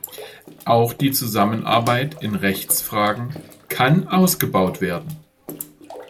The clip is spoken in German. Auch die Zusammenarbeit in Rechtsfragen kann ausgebaut werden.